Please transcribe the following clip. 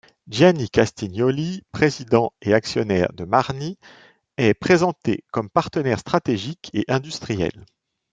Gianni Castiglioni, président et actionnaire de Marni, est présenté comme partenaire stratégique et industriel.